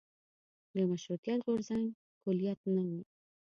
د مشروطیت غورځنګ کلیت نه و.